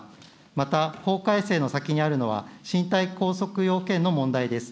また、法改正の先にあるのは、身体拘束要件の問題です。